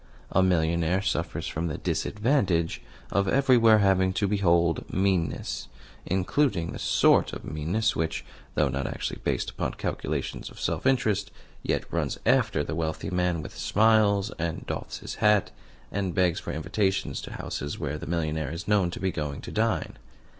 A millionaire suffers from the disadvantage of everywhere having to behold meanness, including the sort of meanness which, though not actually based upon calculations of self interest, yet runs after the wealthy man with smiles, and doffs his hat, and begs for invitations to houses where the millionaire is known to be going to dine.